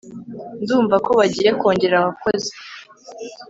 Ndumva ko bagiye kongera abakozi